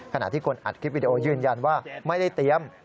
ขณะที่คนอัดคลิปวิดีโอยืนยันว่าไม่ได้เตรียม